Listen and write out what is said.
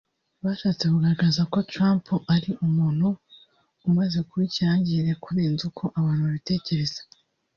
bashatse kugaragaza ko Trump ari umuntu umaze kuba ikirangirire kurenza uko abantu babitekereza